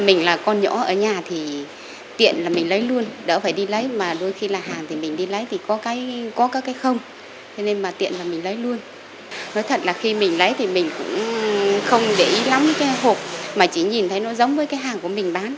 mình cũng không để ý lắm cái hộp mà chỉ nhìn thấy nó giống với cái hàng của mình bán